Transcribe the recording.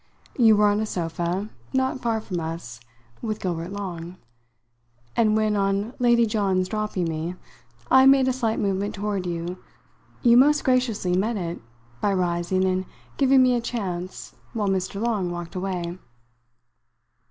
You were on a sofa, not far from us, with Gilbert Long; and when, on Lady John's dropping me, I made a slight movement toward you, you most graciously met it by rising and giving me a chance while Mr. Long walked away."